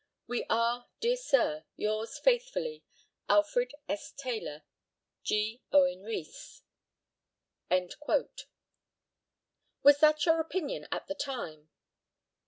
"We are, dear Sir, yours faithfully, "ALFRED S. TAYLOR. "G. OWEN REES." Was that your opinion at the time?